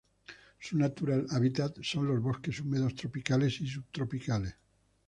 Su natural hábitat son los bosques húmedos tropicales y subtropicales.